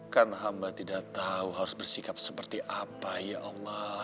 karena hamba tidak tahu harus bersikap seperti apa ya allah